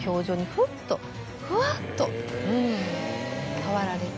ふっとふわっと変わられて。